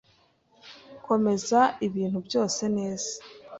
Komeza ibintu byose neza